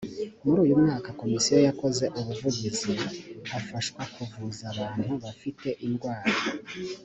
muri uyu mwaka komisiyo yakoze ubuvugizi hafashwa kuvuza abantu bafite indwara